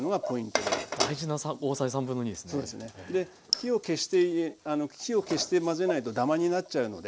火を消して混ぜないとダマになっちゃうので。